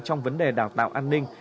trong vấn đề đào tạo an ninh